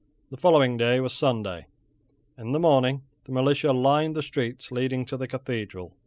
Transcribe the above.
The following day was Sunday. In the morning the militia lined the streets leading to the Cathedral.